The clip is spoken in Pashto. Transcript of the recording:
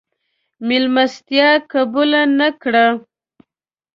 مېلمستیا قبوله نه کړه.